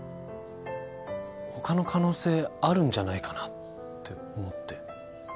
他の可能性あるんじゃないかなって思って。